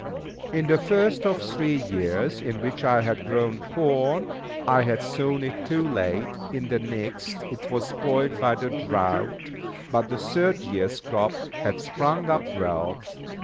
In the first of the three years in which I had grown corn, I had sown it too late; in the next, it was spoilt by the drought; but the third years' crop had sprung up well.